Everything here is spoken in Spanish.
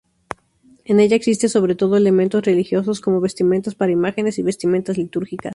En ella existe sobre todo elementos religiosos como vestimentas para imágenes y vestimentas litúrgicas.